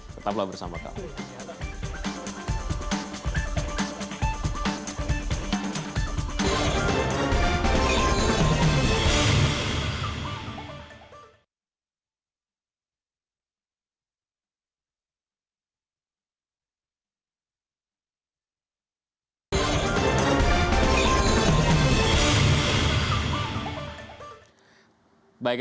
tetaplah bersama kami